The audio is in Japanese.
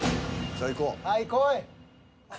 はいこい！